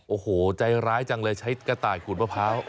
โอ้โหใจร้ายจังเลยใช้กระต่ายขูดมะพร้าว